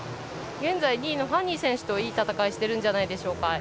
現在２位のファニー選手といい戦いじゃないでしょうか。